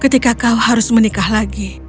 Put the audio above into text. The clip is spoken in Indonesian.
ketika kau harus menikah lagi